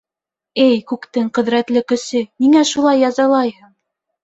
Эй күктең ҡөҙрәтле көсө, ниңә шулай язалайһың?